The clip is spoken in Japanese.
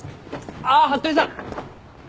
あっ服部さん！